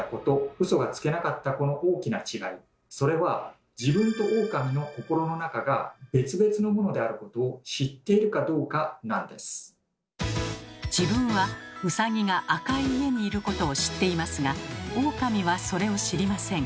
それは自分はウサギが赤い家にいることを知っていますがオオカミはそれを知りません。